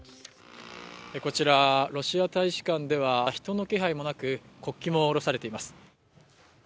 こちら、ロシア大使館では人の気配もなく国旗も降ろされています。